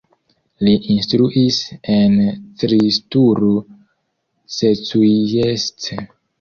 Li instruis en Cristuru Secuiesc.